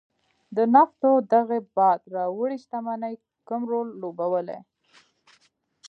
د نفتو دغې باد راوړې شتمنۍ کم رول لوبولی.